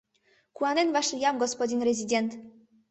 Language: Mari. Куанен вашлиям, господин резидент!..